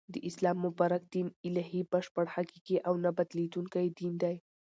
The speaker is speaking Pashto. د اسلام مبارک دین الهی ، بشپړ ، حقیقی او نه بدلیدونکی دین دی